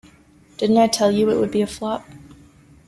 Didn't I tell you it would be a flop?